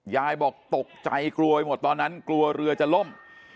ยายบอกตกใจกลัวไปหมดตอนนั้นกลัวเรือจะล่ม